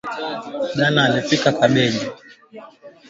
Uji wa viazi lishe